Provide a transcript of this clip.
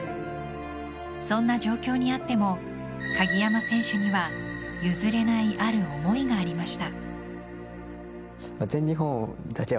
そんな状況にあっても鍵山選手には譲れないある思いがありました。